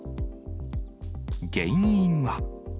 原因は。